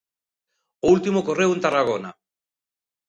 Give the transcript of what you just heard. O último ocorreu en Tarragona.